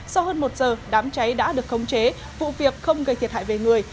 sau hơn một giờ đám cháy đã được khống chế vụ việc không gây thiệt hại về người